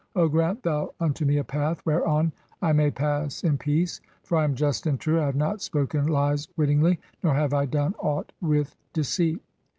(10) O grant thou unto me a path whereon "I may pass in peace, for I am just and true ; I have not spoken "lies wittingly, nor have I done aught with deceit."